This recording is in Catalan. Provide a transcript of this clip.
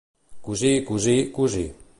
Cosí, cosí, cosí.